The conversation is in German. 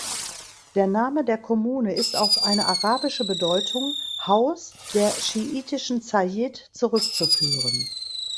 Der Name der Kommune ist auf eine arabische Bedeutung ("Haus der (schiitischen) Zayid") zurückzuführen.